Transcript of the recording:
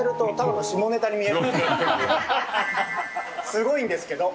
すごいんですけど。